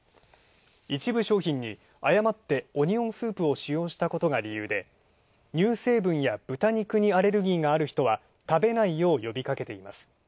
一部商品に誤ってオニオンスープを使用したことが理由で、乳成分や豚肉にアレルギーがある人は食べないよう、呼びかけています。